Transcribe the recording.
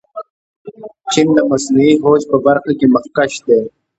چین د مصنوعي هوش په برخه کې مخکښ دی.